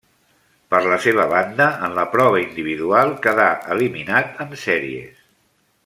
Per la seva banda en la prova individual quedà eliminat en sèries.